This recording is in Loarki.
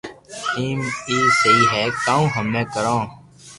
ايم اي سھي ھي ڪاو ھمي ڪرو